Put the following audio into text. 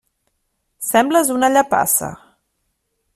Sembles una llepassa.